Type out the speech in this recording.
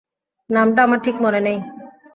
নামটা আমার ঠিক মনে নেই।